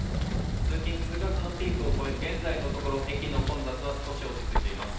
通勤通学のピークを超え現在のところ駅の混雑は少し落ち着いています